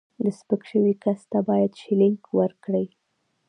د سپک شوي کس ته باید شیلینګ ورکړي.